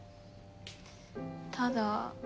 ただ。